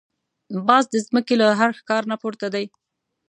باز د زمکې له هر ښکار نه پورته دی